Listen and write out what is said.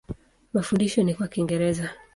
Mafundisho ni kwa Kiingereza.